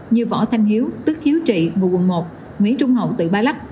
như võ thanh hiếu tức hiếu trị nguồn một nguyễn trung hậu tự ba lắc